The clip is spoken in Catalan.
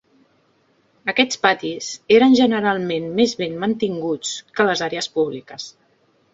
Aquests patis eren generalment més ben mantinguts que les àrees públiques.